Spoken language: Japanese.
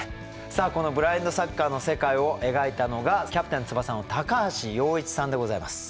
さあこのブラインドサッカーの世界を描いたのが「キャプテン翼」の高橋陽一さんでございます。